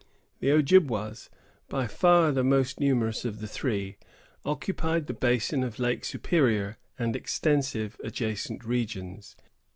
The Ojibwas, by far the most numerous of the three, occupied the basin of Lake Superior, and extensive adjacent regions.